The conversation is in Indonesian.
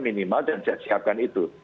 minimal dan siapkan itu